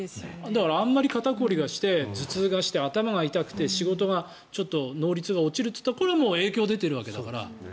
だからあんまり肩凝りがして頭痛がして、頭が痛くて仕事の能率が落ちるといったらこれはもう影響が出てるわけだから。